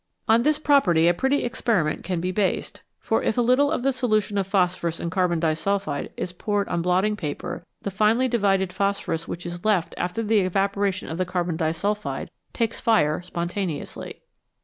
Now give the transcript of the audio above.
On this property a pretty experiment can be based, for if a little of the solution of phosphorus in carbon disulphide is poured on blotting paper, the finely divided phosphorus which is left after the evaporation of the carbon disulphide takes fire spontaneously.